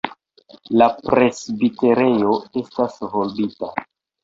La presbiterejo estas volbita.